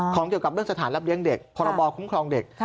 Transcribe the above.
เกี่ยวกับเรื่องสถานรับเลี้ยงเด็กพรบคุ้มครองเด็ก